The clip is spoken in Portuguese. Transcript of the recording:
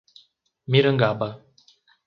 Mirangaba